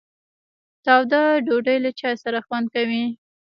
تاوده ډوډۍ له چای سره خوند کوي.